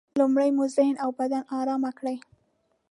لومړی مو ذهن او بدن ارام کړئ.